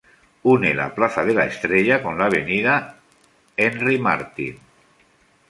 Une la plaza de la Estrella con la avenida Henri-Martin.